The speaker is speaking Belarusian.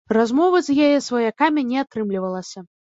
Размовы з яе сваякамі не атрымлівалася.